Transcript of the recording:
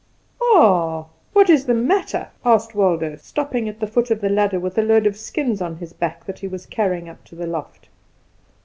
"Ah, what is the matter?" asked Waldo, stopping at the foot of the ladder with a load of skins on his back that he was carrying up to the loft.